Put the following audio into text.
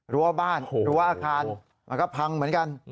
รั้วบ้านรั้วอาคารมันก็พังเหมือนกัน